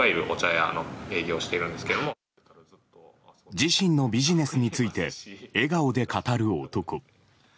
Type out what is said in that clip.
自身のビジネスについて笑顔で語る男。